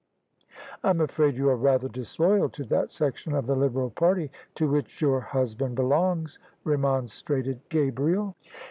" I'm afraid you are rather disloyal to that section of the Liberal party to which your husband belongs," remon strated Gabriel.